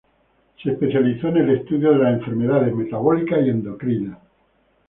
Se especializó en el estudio de las enfermedades metabólicas y endocrinas.